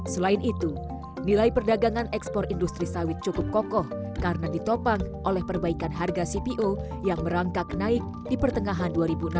selain itu nilai perdagangan ekspor industri sawit cukup kokoh karena ditopang oleh perbaikan harga cpo yang merangkak naik di pertengahan dua ribu enam belas